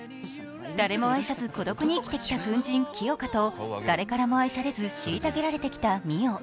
誰も愛さず孤独に生きてきた軍人・清霞と誰からも愛されず虐げられてきた美世。